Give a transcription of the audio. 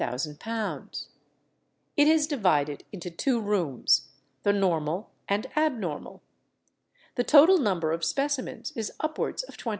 It is divided into two rooms, the normal and abnormal. The total number of specimens is upwards of 23,000.